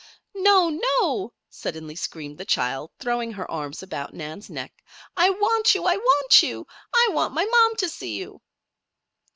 "No! no!" suddenly screamed the child, throwing her arms about Nan's neck. "I want you! I want you! I want my mom to see you!"